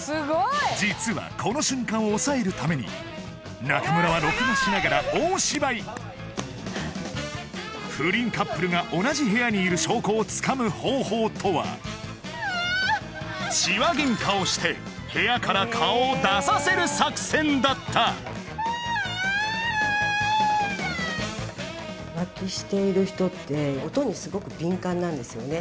実はこの瞬間を押さえるために中村は不倫カップルが同じ部屋にいる証拠をつかむ方法とは痴話ゲンカをして部屋から顔を出させる作戦だった浮気している人って音にすごく敏感なんですよね